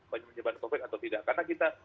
penyebaran covid atau tidak karena kita